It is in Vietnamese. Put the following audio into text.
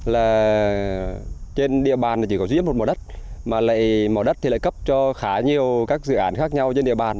là trên địa bàn chỉ có duy nhất một mỏ đất mà lại mỏ đất thì lại cấp cho khá nhiều các dự án khác nhau trên địa bàn